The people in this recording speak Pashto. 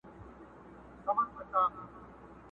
دښت مو زرغون کلی سمسور وو اوس به وي او کنه؛